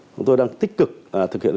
chúng tôi đang tích cực thực hiện